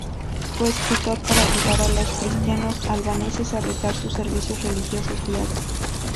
Fue escrito para ayudar a los cristianos albaneses a rezar sus servicios religiosos diarios.